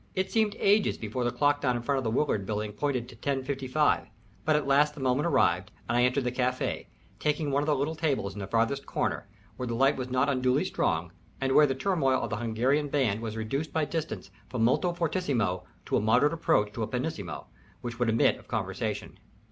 It seemed ages before the clock down in front of the Whirald Building pointed to 10.55, but at last the moment arrived, and I entered the café, taking one of the little tables in the farther corner, where the light was not unduly strong and where the turmoil of the Hungarian band was reduced by distance from moltofortissimo to a moderate approach to a pianissimo, which would admit of conversation.